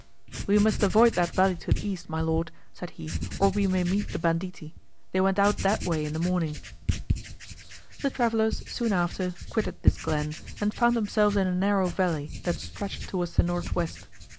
"We must avoid that valley to the east, my Lord," said he, "or we may meet the banditti; they went out that way in the morning." The travellers, soon after, quitted this glen, and found themselves in a narrow valley that stretched towards the north west.